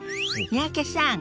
三宅さん